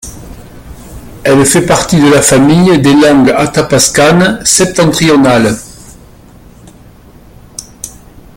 Elle fait partie de la famille des langues athapascanes septentrionales.